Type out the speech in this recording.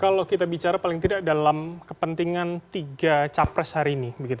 kalau kita bicara paling tidak dalam kepentingan tiga capres hari ini